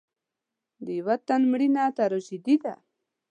د یو تن مړینه تراژیدي ده.